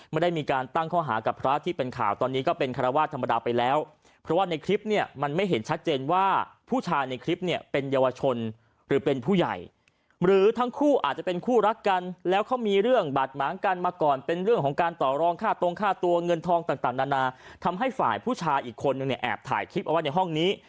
ทำให้ฝ่ายผู้ชายอีกคนเนี่ยแอบถ่ายคลิปเอาไว้ในห้องนี้